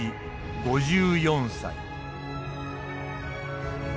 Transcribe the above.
５４歳。